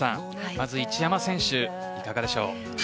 まず一山選手いかがでしょう。